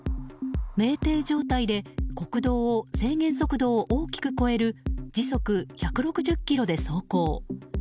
酩酊状態で国道を制限速度を大きく超える時速１６０キロで走行。